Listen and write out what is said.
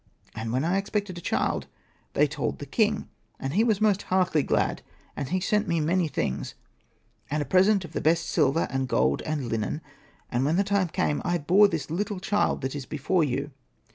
And when I expected a child, they told the king, and he was most heartily glad ; and he sent me many things, and a present of the best silver and gold and linen. And when the time came, I bore this little child that is before you.